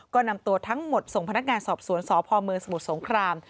ก็นำตัวทั้งหมดส่งพนักงานสอบสวนสพเมืองสมุทรสงคราม